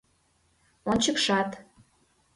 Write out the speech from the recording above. Ончыкшат.